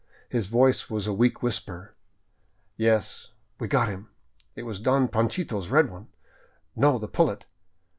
His voice was a weak whisper :" Yes, we got him. It was Don Panchito's red one. No, the pul let.